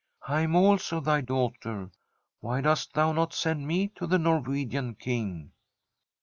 " I am also thy daughter. Why dost thou not send me to the Norwegian King